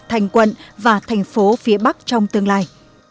thành quận và thành phố phía bắc trong tương lai